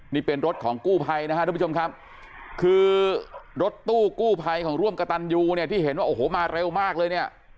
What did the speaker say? นี่เป็นรถของกู้ภัยนะฮะทุกผู้ชมครับคือรถตู้กู้ภัยของร่วมกระตันยูเนี่ยที่เห็นว่าโอ้โหมาเร็วมากเลยเนี่ย